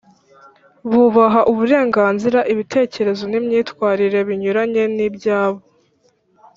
bubaha uburenganzira, ibitekerezo n’imyitwarire binyuranye n’ibyabo.